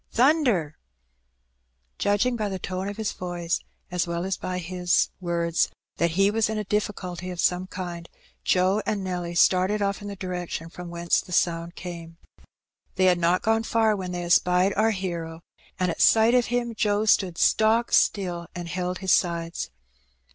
Thunder !" Judging by the tone of his voice, as well as by his 104 Her Benny. words^ that he was in a difficulty of some kind^ Joe and Nelly started off in the direction from whence the sound came. They had not gone far before they espied our hero^ and at sight of him Joe stood stock still and held his sides.